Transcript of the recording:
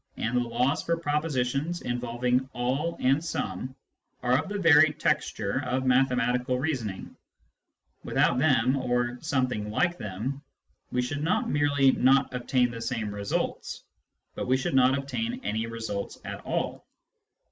and the laws for propositions involving " all " and " some," are of the very texture of mathe matical reasoning : without them, or something like them, we should not merely not obtain the same results, but we should not obtain any results at all.